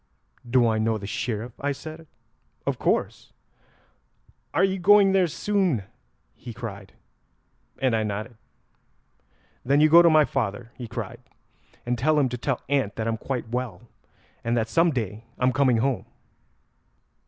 'Do I know the Sheriff?' I said; 'of course.' 'Are you going there soon?' he cried, and I nodded. 'Then you go to my father,' he cried, 'and tell him to tell aunt that I'm quite well, and that some day I'm coming home."